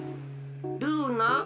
ルーナ？